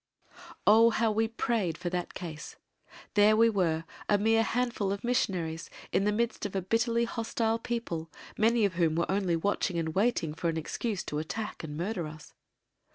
Oh, how we prayed for that case! There we were, a mere handful of missionaries in the midst of a bitterly hostile people many of whom were only waiting and watching for an excuse to attack and murder us.